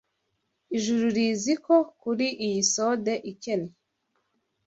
Ijuru rizi uko! kuri iyi sode ikennye: